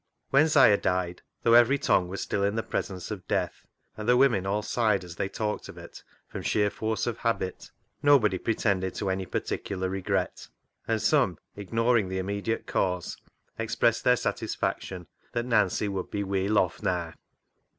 When 'Siah died, though every tongue was still in the presence of death, and the women all sighed as they talked of it, from sheer force of habit, nobody pretended to any particular regret, and some, ignoring the immediate cause, expressed their satisfaction that Nancy would be " weel off naa."